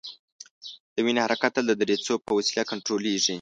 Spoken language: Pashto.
د وینې حرکت تل د دریڅو په وسیله کنترولیږي.